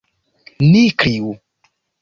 Ni kriu!